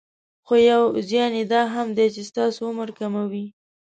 خو يو زيان يي دا هم ده چې ستاسې عمر کموي.